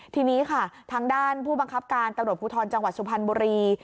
ทีนี้ค่ะทางด้านผู้บังคับการตำรวจภูทรจังหวัดสุพรรณบุรี